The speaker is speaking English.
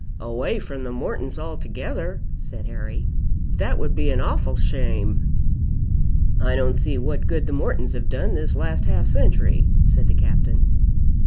"Away from the Mortons altogether!" said Harry. "That would be an awful shame!" "I don't see what good the Mortons have done this last half century," said the Captain.